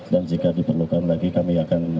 dan jika diperlukan lagi kami akan